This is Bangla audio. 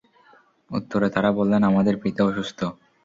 উত্তরে তারা বললেন, আমাদের পিতা অসুস্থ।